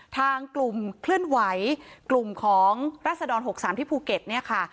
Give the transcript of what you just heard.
ทางกลุ่มเคลื่อนไหวกลุ่มของรัศดร๖๓ที่ภูเก็ตเนี่ยค่ะ